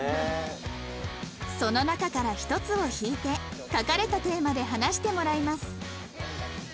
その中から１つを引いて書かれたテーマで話してもらいます